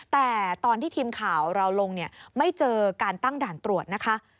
แต่ตอนที่ทีมข่าวเราลงเนี่ยไม่เจอการตั้งด่านตรวจนะคะ